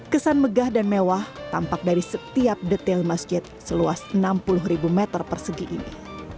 kesan megah dan mewah tampak dari setiap detail masjid seluas enam puluh ribu meter persegi ini